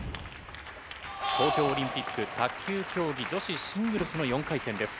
東京オリンピック卓球競技女子シングルスの４回戦です。